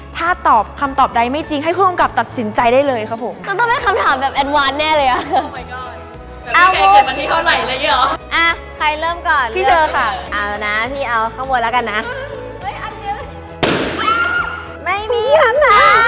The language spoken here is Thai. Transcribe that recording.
ถ้าตอบคำตอบใดไม่จริงให้ผู้ก็ตัดสินใจได้เลยครับผม